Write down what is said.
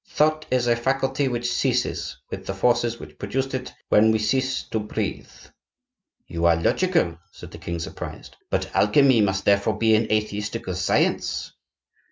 Thought is a faculty which ceases, with the forces which produced it, when we cease to breathe." "You are logical," said the king, surprised. "But alchemy must therefore be an atheistical science.